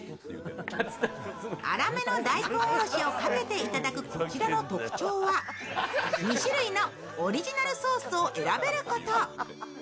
粗めの大根おろしをかけて頂くこちらの特徴は２種類のオリジナルソースを選べること。